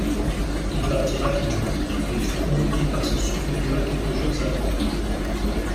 Il partit rapidement mais fut convoqué par son supérieur quelques jours après.